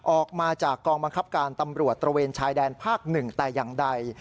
ออกมาจากกองบังคับการตำรวจตระเวนชายแดนภาค๑แต่อย่างใด